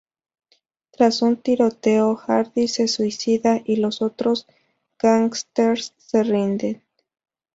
Tras un tiroteo, Hardy se suicida y los otros gángsters se rinden.